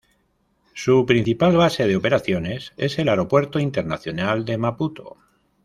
Su principal base de operaciones es el Aeropuerto Internacional de Maputo.